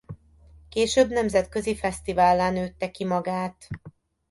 Később nemzetközi fesztivállá nőtte ki magát.